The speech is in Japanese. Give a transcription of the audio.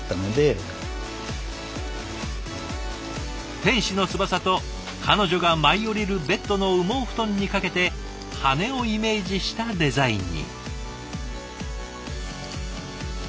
天使の翼と彼女が舞い降りるベッドの羽毛布団にかけて羽根をイメージしたデザインに。